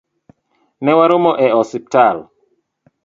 Newaromo e osiptal